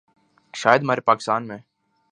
شاید ہمارے پاکستان میں